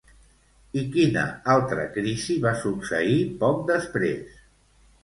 I quina altra crisi va succeir poc després?